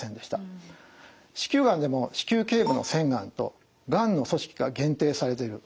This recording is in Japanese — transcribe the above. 子宮がんでも子宮頸部の腺がんとがんの組織が限定されている。